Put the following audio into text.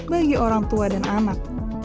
bagi orang tua dan anak